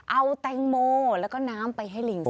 เอาแตงโมแล้วก็น้ำไปให้ลิง